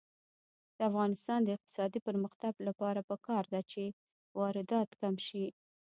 د افغانستان د اقتصادي پرمختګ لپاره پکار ده چې واردات کم شي.